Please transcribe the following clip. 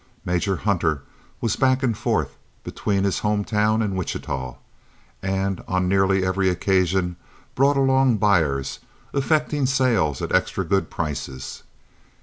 Major Hunter was back and forth, between his home town and Wichita, and on nearly every occasion brought along buyers, effecting sales at extra good prices.